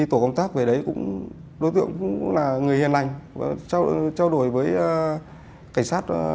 trao đổi với cảnh sát